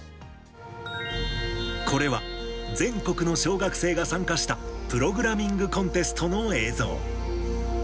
これは全国の小学生が参加した、プログラミングコンテストの映像。